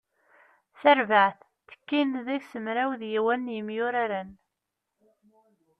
Tarbaɛt, tekkin deg-s mraw d yiwen n yimwuraren.